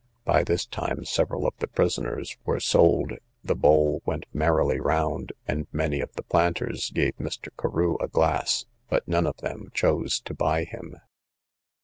By this time several of the prisoners were sold, the bowl went merrily round, and many of the planters gave Mr. Carew a glass, but none of them chose to buy him.